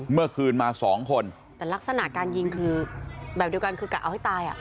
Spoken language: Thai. เมื่อคืนมาสองคนแต่ลักษณะการยิงคือแบบเดียวกันคือกะเอาให้ตายอ่ะ